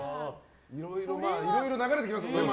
いろいろ流れてきますよね。